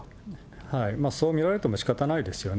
そう見られてもしかたないですよね。